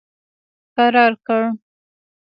کرار کړ.